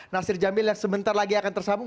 nasir jamil yang sebentar lagi akan tersambung